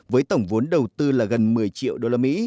với tổng vốn đầu tư là gần một mươi triệu usd